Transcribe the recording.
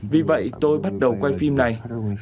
vì vậy tôi bắt đầu quay phim này